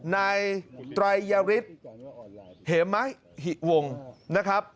นายตรายริดเหมไหมหิวงนะครับ